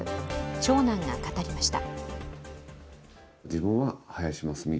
長男が語りました。